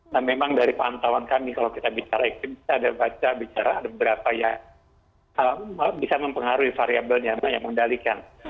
dan memang dari pantauan kami kalau kita bicara iklim kita ada baca bicara ada beberapa yang bisa mempengaruhi variabel yang mengendalikan